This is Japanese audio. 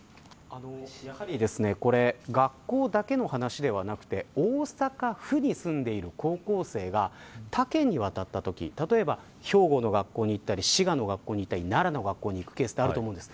学校だけの話ではなくて大阪府に住んでいる高校生が他県に渡ったとき例えば兵庫の学校に行ったり滋賀の学校に行ったり奈良の学校に行くケースがあります。